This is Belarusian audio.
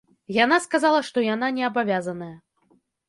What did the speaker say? Яна сказала, што яна не абавязаная.